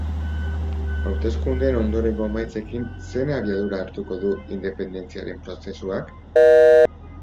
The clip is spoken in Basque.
Hauteskundeen ondorengo emaitzekin, zein abiadura hartuko du independentziaren prozesuak?